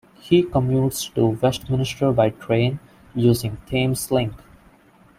He commutes to Westminster by train, using Thameslink.